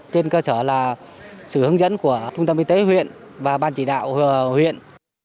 trên cơ sở là sự hướng dẫn của trung tâm y tế huyện và ban chỉ đạo huyện